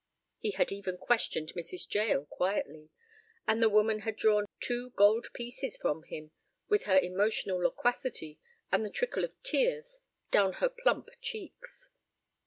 He had even questioned Mrs. Jael quietly, and the woman had drawn two gold pieces from him with her emotional loquacity and the trickle of tears down her plump cheeks.